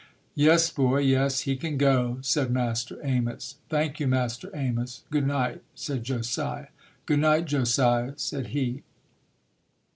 "Yes, boy, yes, he can go", said Master Amos. "Thank you, Master Amos, good night", said Josiah. "Good night, Josiah", said he.